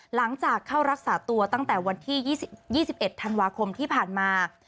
หลังจากเข้ารักษาตัวตั้งแต่วันที่๒๑ธันวาคมที่ผ่านมา